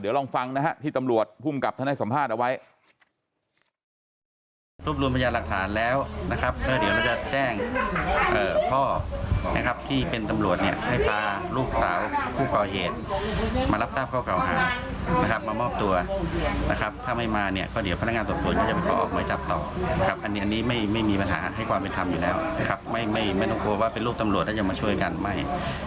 เดี๋ยวลองฟังนะครับที่ตำรวจผู้กรับธนัยสัมภาษณ์เอาไว้